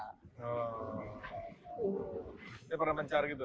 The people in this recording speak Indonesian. oh dia pernah mencar gitu